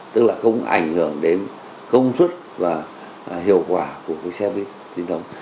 tức là không ảnh hưởng đến công suất và hiệu quả của cái xe buýt trình thống